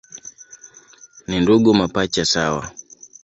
Ni ndugu mapacha sawa.